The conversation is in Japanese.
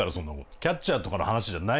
キャッチャーとかの話じゃない。